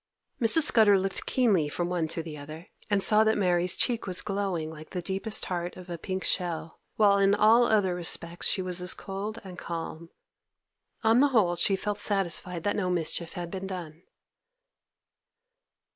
Mrs. Scudder looked keenly from one to the other, and saw that Mary's cheek was glowing like the deepest heart of a pink shell, while in all other respects she was as cold and calm. On the whole she felt satisfied that no mischief had been done.